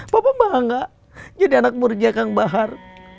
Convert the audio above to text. papa bangga jadi anak muridnya kang bahar